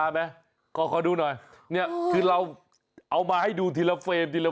มันก็เกาะเสาไฟธรรมดา